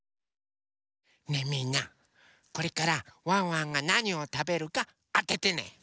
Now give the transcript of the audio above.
ねえみんなこれからワンワンがなにをたべるかあててね！